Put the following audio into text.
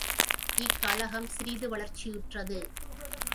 இக் கழகம் சிறிது வளர்ச்சியுற்றது.